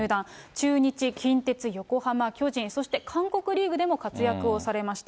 中日、近鉄、横浜、巨人、そして韓国リーグでも活躍をされました。